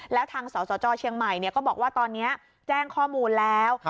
แล้วทางสสจเชียงใหม่ก็บอกว่าตอนนี้แจ้งข้อมูลแล้ว